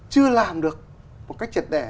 chưa làm được một cách trật đẻ